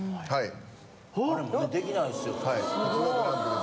はい。